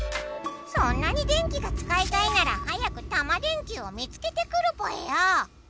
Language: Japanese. そんなに電気がつかいたいならはやくタマ電Ｑを見つけてくるぽよ！